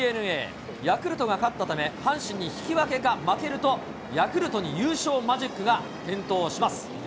ヤクルトが勝ったため、阪神に引き分けか負けると、ヤクルトに優勝マジックが点灯します。